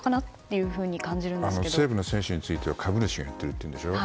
西武の選手については株主が言っているんでしょう。